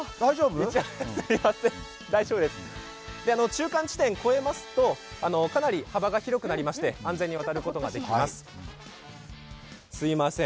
中間地点、超えますとかなり幅が広くなりまして安全に渡ることができます。